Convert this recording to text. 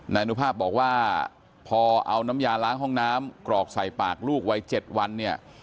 นายอนุภาพบอกว่าพอเอาน้ำยาล้างห้องน้ำกรอกใส่ปากลูกวัย๗วันเนี่ย